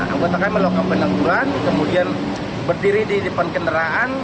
anggotanya melakukan penangkuran kemudian berdiri di depan kendaraan